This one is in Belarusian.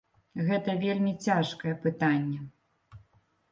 Гэта вельмі цяжкае пытанне.